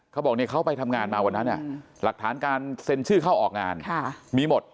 เขาบอกเขาไปทำงานมาวันนั้นหลักฐานการเซ็นชื่อเข้าออกงานมีหมด